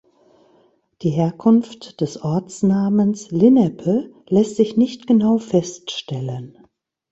Die Herkunft des Ortsnamens "Linnepe" lässt sich nicht genau feststellen.